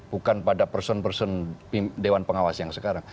bukan pada person person dewan pengawas yang sekarang